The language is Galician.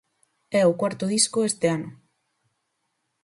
É o cuarto disco este ano.